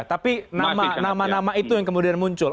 tapi nama nama itu yang kemudian muncul